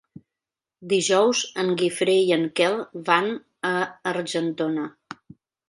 Dijous en Guifré i en Quel van a Argentona.